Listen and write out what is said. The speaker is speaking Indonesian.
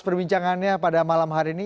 perbincangannya pada malam hari ini